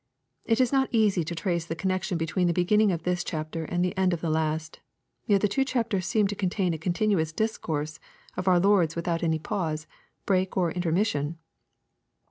It is not easy to trace the connection between the beginning of this chapter and the end of the fast. Yet the two chapters seem to contain a continuous discourse of our Lord's without any pause, break, or intermission.